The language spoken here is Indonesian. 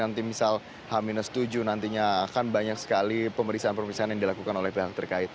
nanti misal h tujuh nantinya akan banyak sekali pemeriksaan pemeriksaan yang dilakukan oleh pihak terkait